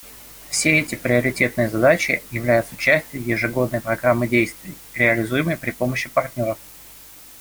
Все эти приоритетные задачи являются частью ежегодной программы действий, реализуемой при помощи партнеров.